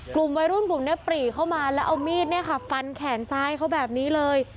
กลุ่มวัยรุ่นโดนปีเข้ามาเอามีดฟันแขนซ้ายเขาแบบนี้เลย